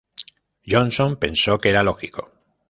Johnson pensó que era lógico.